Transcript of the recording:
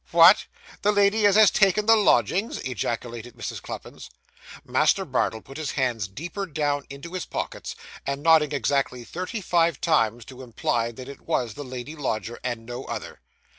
'What? The lady as has taken the lodgings!' ejaculated Mrs. Cluppins. Master Bardell put his hands deeper down into his pockets, and nodded exactly thirty five times, to imply that it was the lady lodger, and no other.